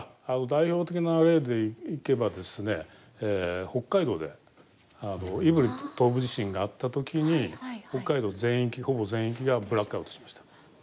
代表的な例でいけばですね北海道で胆振東部地震があった時に北海道全域ほぼ全域がブラックアウトしました。